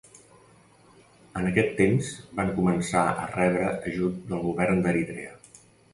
En aquest temps van començar a rebre ajut del govern d'Eritrea.